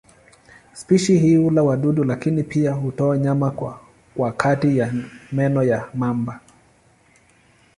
Spishi hii hula wadudu lakini pia hutoa nyama kwa kati ya meno ya mamba.